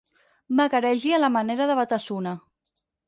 Vagaregi a la manera de Batasuna.